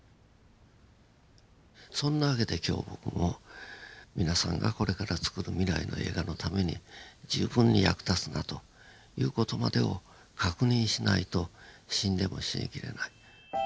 そんなわけで今日僕も皆さんがこれからつくる未来の映画のために十分に役立つなという事までを確認しないと死んでも死にきれない。